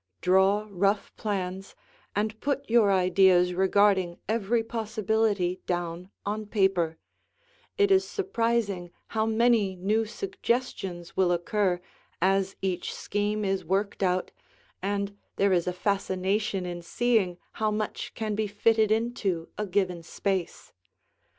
Draw rough plans and put your ideas regarding every possibility down on paper; it is surprising how many new suggestions will occur as each scheme is worked out, and there is a fascination in seeing how much can be fitted into a given space.